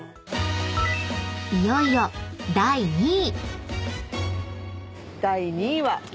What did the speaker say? ［いよいよ第２位］